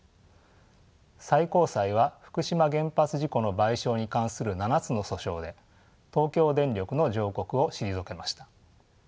最高裁は福島原発事故の賠償に関する７つの訴訟で東京電力の上告を退けました。